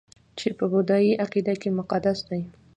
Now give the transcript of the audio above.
چې په بودايي عقیده کې مقدس دي